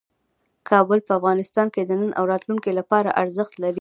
کابل په افغانستان کې د نن او راتلونکي لپاره ارزښت لري.